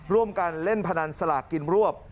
ร่วมกันเล่นพนันสลากกินรวบ